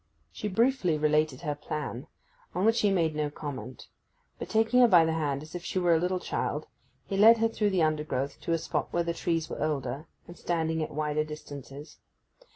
She briefly related her plan, on which he made no comment, but, taking her by the hand as if she were a little child, he led her through the undergrowth to a spot where the trees were older, and standing at wider distances.